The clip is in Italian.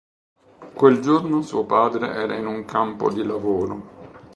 Quel giorno suo padre era in un campo di lavoro.